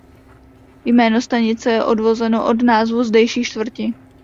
Jméno stanice je odvozeno od názvu zdejší čtvrti.